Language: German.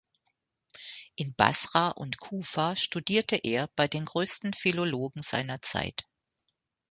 In Basra und Kufa studierte er bei den größten Philologen seiner Zeit.